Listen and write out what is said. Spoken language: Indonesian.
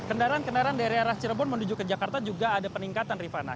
kendaraan kendaraan dari arah cirebon menuju ke jakarta juga ada peningkatan rifana